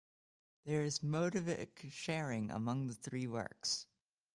There is motivic sharing among the three works.